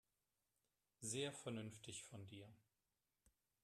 Sehr vernünftig von dir.